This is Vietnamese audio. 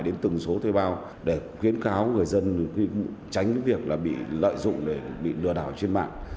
đến từng số thuê bao để khuyến kháo người dân tránh việc bị lợi dụng bị lừa đảo trên mạng